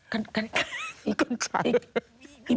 กัญชัยก็เป็น